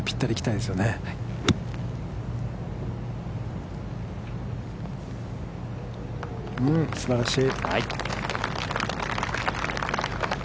うん、すばらしい。